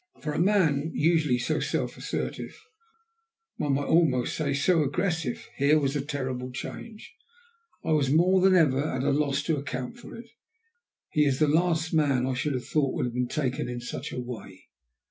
For a man usually so self assertive one might almost say so aggressive here was a terrible change. I was more than ever at a loss to account for it. He was the last man I should have thought would have been taken in such a way.